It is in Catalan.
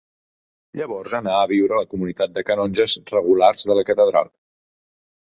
Llavors anà a viure a la comunitat de canonges regulars de la catedral.